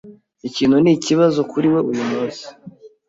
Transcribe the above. Ikintu ni ikibazo kuri we uyu munsi.